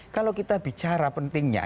kalau kita bicara pentingnya